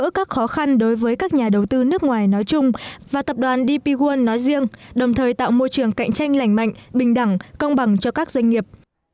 để giúp đỡ các khó khăn đối với các nhà đầu tư nước ngoài nói chung và tập đoàn dp world nói riêng đồng thời tạo môi trường cạnh tranh lành mạnh bình đẳng công bằng cho các doanh nghiệp